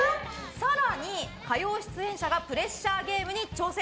火曜出演者がプレッシャーゲームに挑戦。